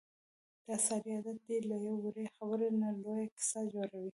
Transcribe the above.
د سارې عادت دی له یوې وړې خبرې نه لویه کیسه جوړوي.